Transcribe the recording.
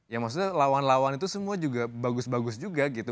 ya maksudnya lawan lawan itu semua juga bagus bagus juga gitu